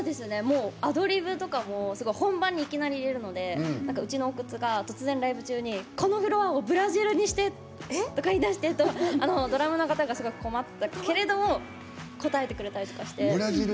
アドリブとかも本番にいきなり入れるのでうちの奥津が突然ライブ中に、このフロアをブラジルにして歌い出してとドラムの方がすごい困ってたけども応えてくれたりとかして。